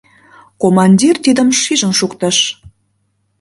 Командир тидым шижын шуктыш.